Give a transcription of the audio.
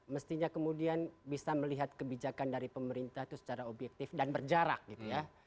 mestinya kemudian bisa melihat kebijakan dari pemerintah itu secara objektif dan berjarak gitu ya